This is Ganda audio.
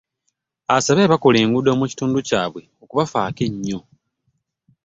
Asabye abakola ku nguudo mu kitundu kyabwe okubafaako ennyo